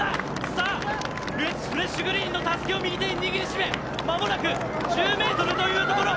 さあ、フレッシュグリーンのたすきを右手に握り締めまもなく１０ｍというところ。